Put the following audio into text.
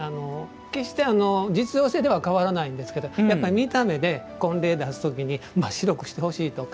決して実用性では変わらないんですけれどもやっぱり見た目で婚礼に出す時に白くしてほしいとか。